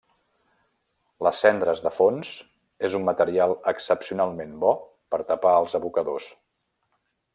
Les cendres de fons és un material excepcionalment bo per tapar els abocadors.